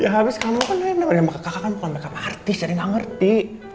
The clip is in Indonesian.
ya habis kamu kan namanya mbak kakak kan bukan makeup artis jadi gak ngerti